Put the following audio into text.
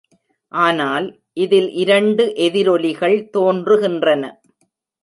ஆனால், இதில் இரண்டு எதிரொலிகள் தோன்றுகின்றன.